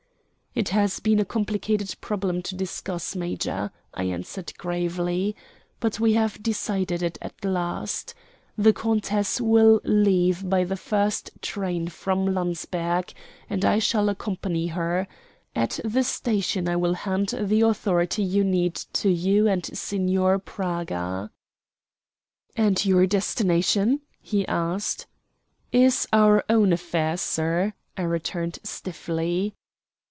"It has been a complicated problem to discuss, major," I answered gravely. "But we have decided it at last. The countess will leave by the first train from Landsberg, and I shall accompany her. At the station I will hand the authority you need to you and Signor Praga." "And your destination?" he asked. "Is our own affair, sir," I returned stiffly.